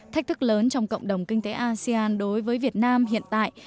thách thức lớn trong cộng đồng kinh tế asean đối với việt nam hiện tại